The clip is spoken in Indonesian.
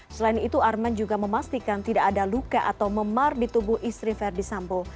selain itu arman juga memastikan tidak ada luka atau memar di tubuh istri verdi sambo